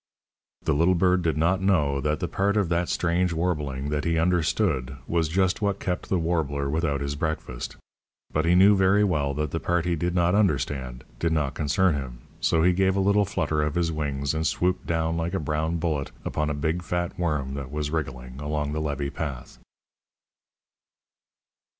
The little bird did not know that the part of that strange warbling that he understood was just what kept the warbler without his breakfast; but he knew very well that the part he did not understand did not concern him, so he gave a little flutter of his wings and swooped down like a brown bullet upon a big fat worm that was wriggling along the levee path.